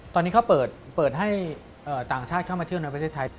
ตอนนี้เขาเปิดให้ต่างชาติเข้ามาเที่ยวในประเทศไทย